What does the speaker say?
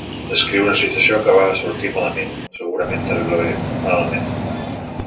Descriu una situació que va sortir malament, segurament terriblement malament.